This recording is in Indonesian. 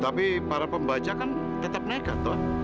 ya tapi para pembaca kan tetap nega ton